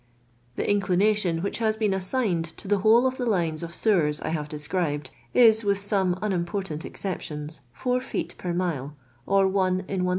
The inclination which has been assigned to the whole of the lines of sewers I have described, is, with some unimportant exceptions, 4 feet per mile, or 1 in 1320.